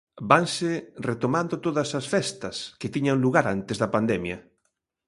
Vanse retomando todas as festas que tiñan lugar antes da pandemia.